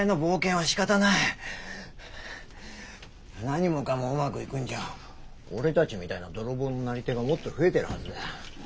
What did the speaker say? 何もかもうまくいくんじゃ俺たちみたいな泥棒のなり手がもっと増えてるはずだ。